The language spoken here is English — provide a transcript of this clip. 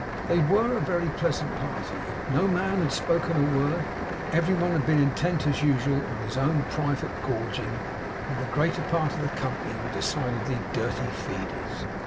They were a very pleasant party. No man had spoken a word; every one had been intent, as usual, on his own private gorging; and the greater part of the company were decidedly dirty feeders.